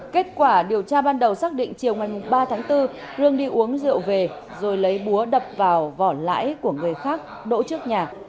kết quả điều tra ban đầu xác định chiều ngày ba tháng bốn rương đi uống rượu về rồi lấy búa đập vào vỏ lãi của người khác đỗ trước nhà